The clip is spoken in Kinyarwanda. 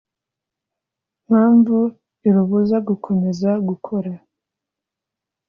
Mpamvu irubuza gukomeza gukora